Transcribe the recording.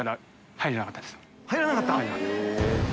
入らなかったです。